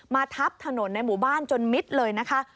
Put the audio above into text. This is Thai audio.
ทับถนนในหมู่บ้านจนมิดเลยนะคะ